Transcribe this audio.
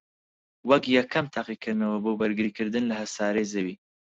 وەک یەکەم تاقیکردنەوەی بۆ بەرگریکردن لە هەسارەی زەوی